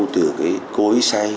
từ cái cối xay